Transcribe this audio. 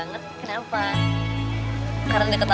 saya spoke bahasa indonesia